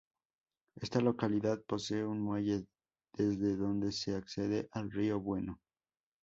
Esta localidad posee un muelle desde donde se accede al Río Bueno.